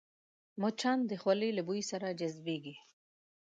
مچان د خولې له بوی سره جذبېږي